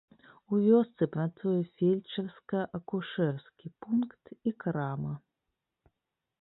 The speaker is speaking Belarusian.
У вёсцы працуе фельчарска-акушэрскі пункт і крама.